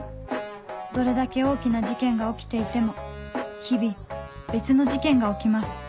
どれだけ大きな事件が起きていても日々別の事件が起きます